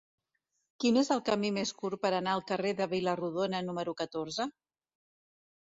Quin és el camí més curt per anar al carrer de Vila-rodona número catorze?